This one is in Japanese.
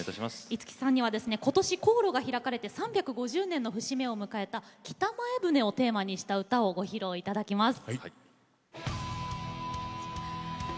五木さんにはことし、航路が開かれて３５０年の節目を迎えた北前船をテーマにした歌をご披露いただきます。